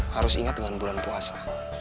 harus ingat dengan bulan puasa